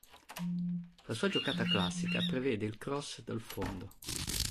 La sua giocata classica prevede il cross dal fondo.